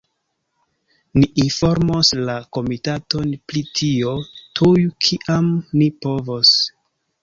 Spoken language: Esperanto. Ni informos la komitaton pri tio tuj, kiam ni povos.